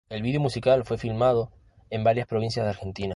El vídeo musical fue filmado en varias provincias de Argentina.